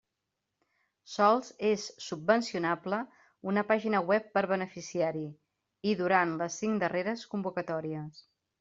Sols és subvencionable una pàgina web per beneficiari i durant les cinc darreres convocatòries.